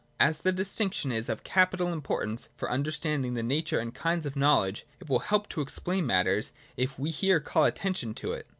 As the distinction is of capital importance for under standing the nature and kinds of knowledge, it will help to explain matters if we here call attention to it.